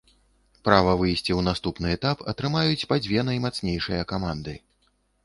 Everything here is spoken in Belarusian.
Права выйсці ў наступны этап атрымаюць па дзве наймацнейшыя каманды.